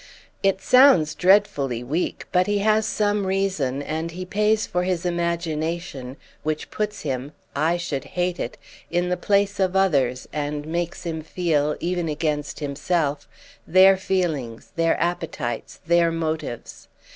It sounds dreadfully weak, but he has some reason, and he pays for his imagination, which puts him (I should hate it) in the place of others and makes him feel, even against himself, their feelings, their appetites, their motives.